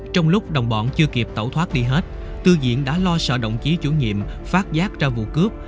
trong lúc đồng bọn chưa kịp tẩu thoát đi hết tư diện đã lo sợ đồng chí chủ nhiệm phát giác ra vụ cướp